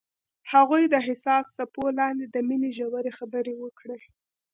هغوی د حساس څپو لاندې د مینې ژورې خبرې وکړې.